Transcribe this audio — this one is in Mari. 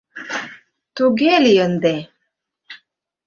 —...Туге лий ынде.